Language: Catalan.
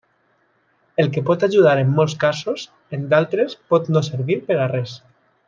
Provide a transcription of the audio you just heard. El que pot ajudar en molts casos, en d’altres pot no servir per a res.